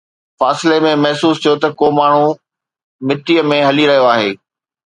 فاصلي ۾ محسوس ٿيو ته ڪو ماڻهو مٽيءَ ۾ هلي رهيو آهي.